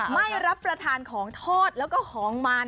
ไม่รับประทานของทอดแล้วก็ของมัน